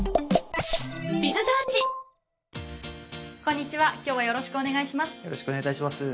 こんにちは今日はよろしくお願いします。